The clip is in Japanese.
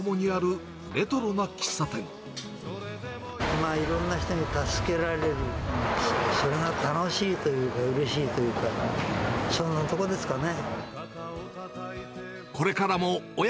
今、いろんな人に助けられる、それが楽しいというか、うれしいというかね、そんなとこですかね。